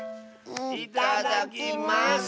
いただきます！